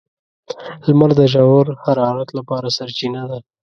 • لمر د ژور حرارت لپاره سرچینه ده.